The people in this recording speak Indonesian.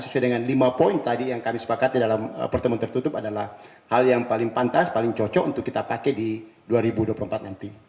sesuai dengan lima poin tadi yang kami sepakat dalam pertemuan tertutup adalah hal yang paling pantas paling cocok untuk kita pakai di dua ribu dua puluh empat nanti